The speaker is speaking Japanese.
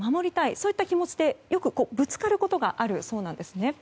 そういった気持ちでよくぶつかることがあるそうなんですね。